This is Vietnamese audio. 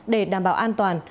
để đảm bảo an toàn